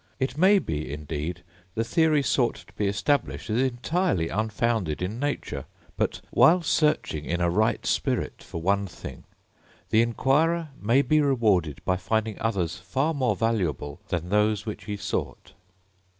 It may be, indeed, the theory sought to be established is entirely unfounded in nature; but while searching in a right spirit for one thing, the inquirer may be rewarded by finding others far more valuable than those which he sought.